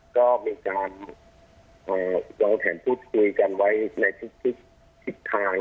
ก็มีการวางแผนพูดคุยกันไว้ในทุกทิศทาง